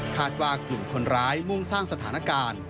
ว่ากลุ่มคนร้ายมุ่งสร้างสถานการณ์